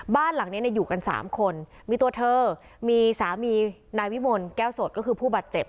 บ้านหลังนี้อยู่กัน๓คนมีตัวเธอมีสามีนายวิมลแก้วสดก็คือผู้บาดเจ็บ